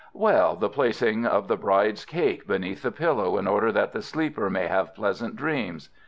"Well, the placing of the bride's cake beneath the pillow in order that the sleeper may have pleasant dreams.